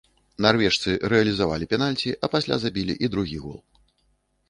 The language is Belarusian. Нарвежцы рэалізавалі пенальці, а пасля забілі і другі гол.